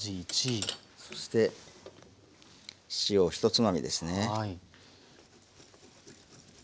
そして塩を１つまみですね。